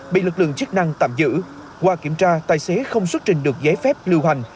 bị lực lượng chức năng tạm giữ qua kiểm tra tài xế không xuất trình được giấy phép lưu hành